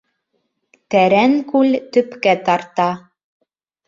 Тәрән күл төпкә тарта.